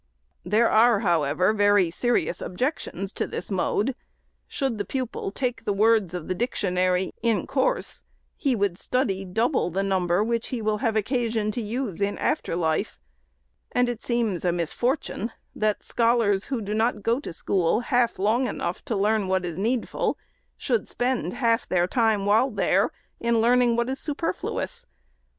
There are. however, very serious objections to this mode. Should the pupil take the words of the dictionary, in course, he would study double the number which he will have occasion to use in after life ; and it seems a misfortune, that scholars, who do not go to school half long enough to learn what is needful, should spend half their time while there in learning what is superflu ous.